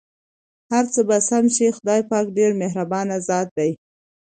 هرڅه به سم شې٬ خدای پاک ډېر مهربان ذات دی.